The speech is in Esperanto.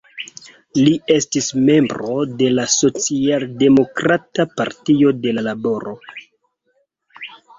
Li estis membro de la socialdemokrata Partio de la Laboro.